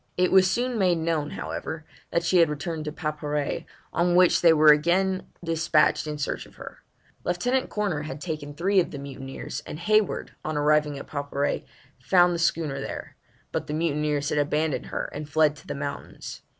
It was soon made known, however, that she had returned to Paparré, on which they were again despatched in search of her. Lieutenant Corner had taken three of the mutineers, and Hayward, on arriving at Paparré, found the schooner there, but the mutineers had abandoned her and fled to the mountains.